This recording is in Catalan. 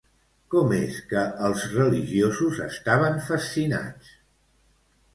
Com és que els religiosos estaven fascinats?